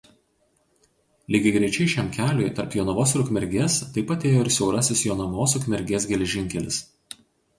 Lygiagrečiai šiam keliui tarp Jonavos ir Ukmergės taip pat ėjo ir siaurasis Jonavos–Ukmergės geležinkelis.